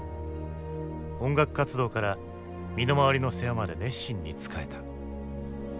音楽活動から身の回りの世話まで熱心に仕えた。